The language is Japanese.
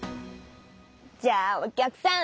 じゃあお客さん！